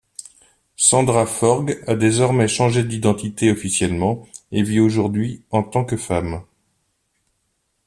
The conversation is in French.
Sandra Forgues a désormais changé d'identité officiellement et vit aujourd'hui en tant que femme.